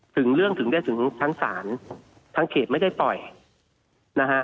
ถึงเรื่องถึงได้ถึงชั้นศาลทั้งเขตไม่ได้ปล่อยนะฮะ